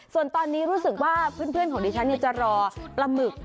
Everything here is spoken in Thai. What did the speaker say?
ส่วนตอนนี้รู้สึกว่าเพื่อนของดิฉันจะรอปลาหมึก